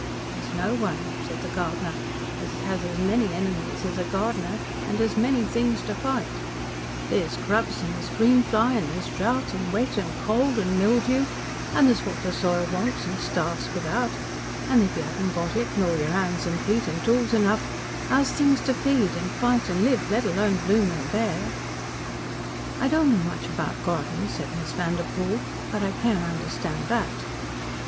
"There's no one," said the gardener, "as has as many enemies as a gardener, an' as many things to fight. There's grubs an' there's greenfly, an' there's drout', an' wet an' cold, an' mildew, an' there's what the soil wants and starves without, an' if you haven't got it nor yet hands an' feet an' tools enough, how's things to feed, an' fight an' live let alone bloom an' bear?" "I don't know much about gardens," said Miss Vanderpoel, "but I can understand that."